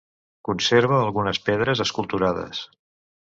Conserva algunes pedres esculturades.